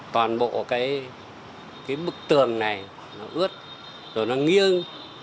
toàn bộ cái bức tường này nó ướt rồi nó nghiêng